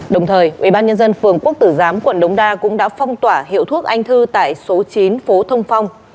đồng thời ubnd phường quốc tử giám quận đống đa cũng đã phong tỏa hiệu thuốc anh thư tại số chín phố thông phong